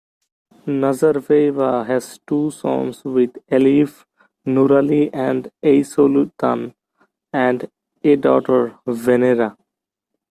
Nazarbayeva has two sons with Aliyev, Nurali and Aisoultan, and a daughter Venera.